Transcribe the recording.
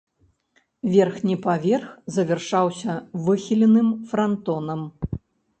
Верхні паверх завяршаўся выхіленым франтонам.